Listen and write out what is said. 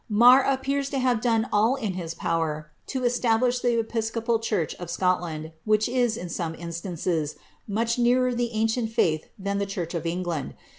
Marr appears to have done all in his power to establish the episcopal church of Scotland, which is, in some instances, much nearer the ancient fiiith than the church of England.